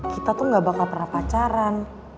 kita tuh gak bakal pernah pacaran